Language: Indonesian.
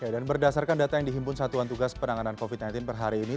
dan berdasarkan data yang dihimpun satuan tugas penanganan covid sembilan belas per hari ini